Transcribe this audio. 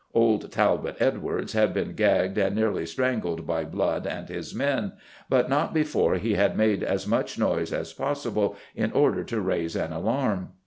Old Talbot Edwards had been gagged and nearly strangled by Blood and his men, but not before he had made as much noise as possible in order to raise an alarm.